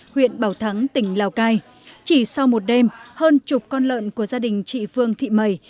huyện bảo thắng tỉnh lào cai chỉ sau một đêm hơn chục con lợn của gia đình chị phương thị mầy